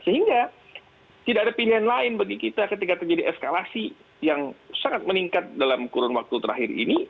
sehingga tidak ada pilihan lain bagi kita ketika terjadi eskalasi yang sangat meningkat dalam kurun waktu terakhir ini